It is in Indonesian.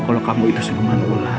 kalau kamu itu senuman ular